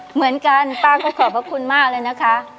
เหมือนกันป้าก็ขอบพระคุณมากเลยนะคะ